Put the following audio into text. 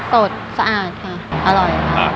โสดสะอาดก่อนค่ะ